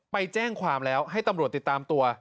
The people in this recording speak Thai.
ไปแจ้งความแล้วให้ตำรวจติดตามตัว